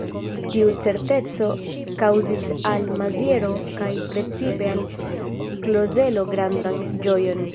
Tiu certeco kaŭzis al Maziero kaj precipe al Klozelo grandan ĝojon.